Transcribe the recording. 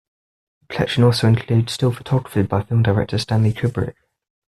The collection also includes still photography by film director Stanley Kubrick.